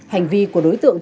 hành vi của đối tượng